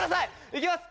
いきます。